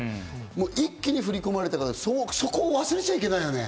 もう一気に振り込まれた、そこを忘れちゃいけないよね。